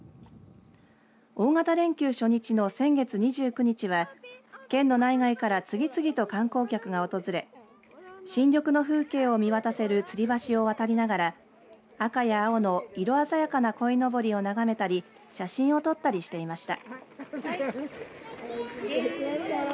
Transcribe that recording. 大型連休初日の先月２９日は県の内外から次々と観光客が訪れ新緑の風景を見渡せるつり橋を渡りながら赤や青の色鮮やかなこいのぼりを眺めたり写真を撮ったりしていました。